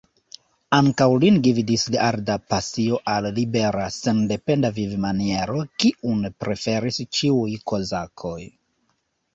Ankaŭ lin gvidis arda pasio al libera, sendependa vivmaniero, kiun preferis ĉiuj kozakoj.